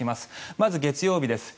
まず月曜日です。